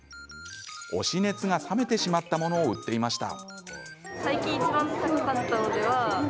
推し熱が冷めてしまったものを売っていました。